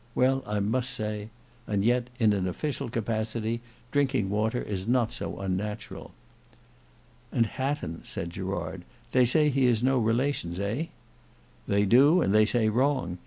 well, I must say—and yet, in an official capacity, drinking water is not so unnatural." "And Hatton." said Gerard; "they say he has no relations, eh?" "They do, and they say wrong.